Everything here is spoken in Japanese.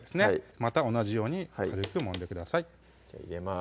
また同じように軽くもんでくださいじゃあ入れます